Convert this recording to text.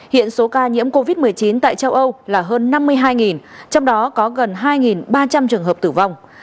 hiện số ca nhiễm covid một mươi chín tại châu âu là hơn năm mươi hai trong đó có gần hai ba trăm linh trường hợp tử vong